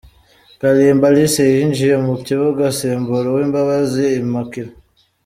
Kalimba Alice yinjiye mu kibuga asimbura Uwimbabazi Immaculee.